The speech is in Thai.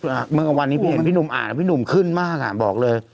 เมื่อกลางวันนี้พี่เห็นพี่หนุ่มอ่านอ่ะพี่หนุ่มขึ้นมากอ่ะบอกเลย